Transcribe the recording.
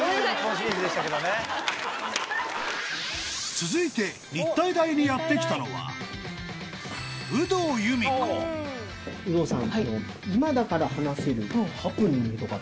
続いて日体大にやって来たのは有働さん。